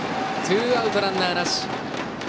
ツーアウト、ランナーなし。